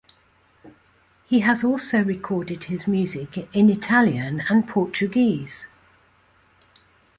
He has also recorded his music in Italian and Portuguese.